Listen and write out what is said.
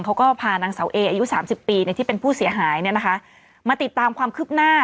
เขาก็พานางเสาเออายุสามสิบปีที่เป็นผู้เสียหายเนี่ยนะคะมาติดตามความคืบหน้า